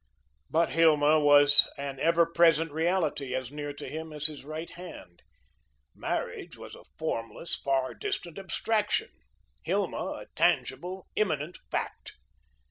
But Hilma was an ever present reality, as near to him as his right hand. Marriage was a formless, far distant abstraction. Hilma a tangible, imminent fact.